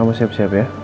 kamu siap siap ya